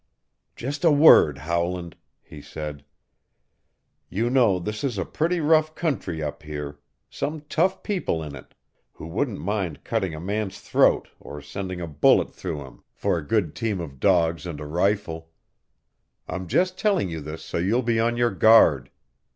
"Just a word, Howland," he said. "You know this is a pretty rough country up here some tough people in it, who wouldn't mind cutting a man's throat or sending a bullet through him for a good team of dogs and a rifle. I'm just telling you this so you'll be on your guard.